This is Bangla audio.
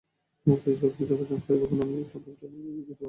অবশেষে সবকিছুর অবসান হলো এবং এখন আমি নতুন ক্লাবে মনোযোগ দিতে পারব।